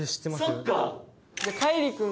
そっか！